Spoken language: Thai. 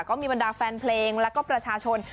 บรรดาแฟนเพลงแล้วก็ประชาชน